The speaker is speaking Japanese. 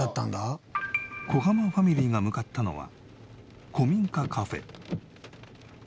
小濱ファミリーが向かったのは。